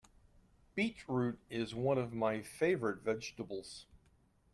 Beetroot is one of my favourite vegetables